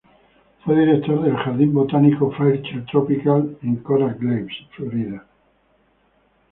Fue Director del "Jardín botánico Fairchild Tropical", en Coral Gables, Florida.